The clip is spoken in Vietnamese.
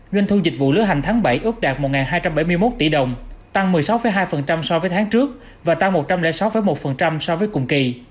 doanh thu dịch vụ lưỡi hành tháng bảy ước đạt một hai trăm bảy mươi một tỷ đồng tăng một mươi sáu hai so với tháng trước và tăng một trăm linh sáu một so với cùng kỳ